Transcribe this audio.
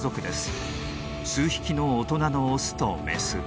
数匹の大人のオスとメス。